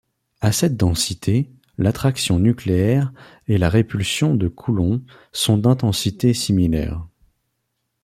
À cette densité, l'attraction nucléaire et la répulsion de Coulomb sont d'intensités similaires.